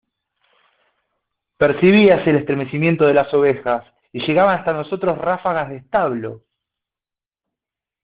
percibíase el estremecimiento de las ovejas, y llegaban hasta nosotros ráfagas de establo